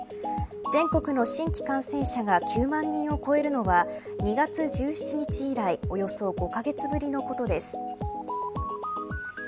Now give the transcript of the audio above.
全国の新規感染者が９万人を超えるのは２月１７日以来およそ５カ月ぶりのことです。